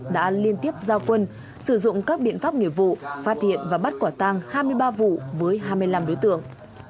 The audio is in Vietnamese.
đã liên tiếp giao quân sử dụng các biện pháp nghiệp vụ phát hiện và bắt quả tăng hai mươi ba vụ với hai mươi năm đối tượng